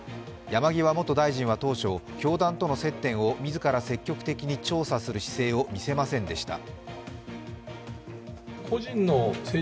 山際元大臣は当初、教団との接点を自ら積極的に調査する姿勢を見せませんでした。